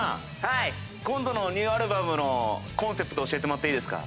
今度のニューアルバムのコンセプト教えてもらっていいですか？